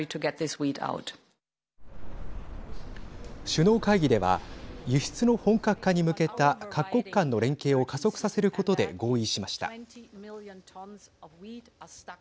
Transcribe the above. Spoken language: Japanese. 首脳会議では輸出の本格化に向けた各国間の連携を加速させることで合意しました。